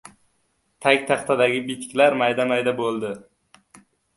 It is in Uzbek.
Tagtaxtadagi bitiklar mayda-mayda bo‘ldi.